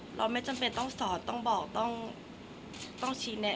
คนเราถ้าใช้ชีวิตมาจนถึงอายุขนาดนี้แล้วค่ะ